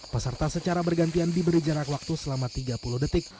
peserta secara bergantian diberi jarak waktu selama tiga puluh detik